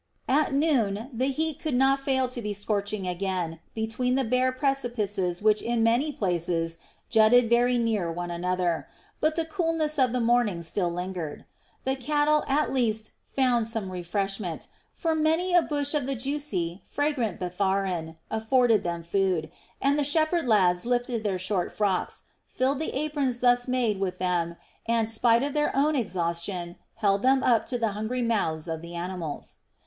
At noon the heat could not fail to be scorching again between the bare precipices which in many places jutted very near one another; but the coolness of the morning still lingered. The cattle at least found some refreshment; for many a bush of the juicy, fragrant betharan [Cantolina fragrantissima] afforded them food, and the shepherd lads lifted their short frocks, filled the aprons thus made with them and, spite of their own exhaustion, held them up to the hungry mouths of the animals.